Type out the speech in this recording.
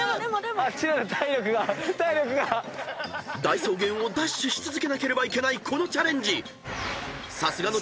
［大草原をダッシュし続けなければいけないこのチャレンジ］